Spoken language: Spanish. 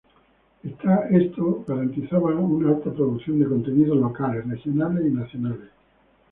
Esto garantizaba una alta producción de contenidos locales, regionales y nacionales.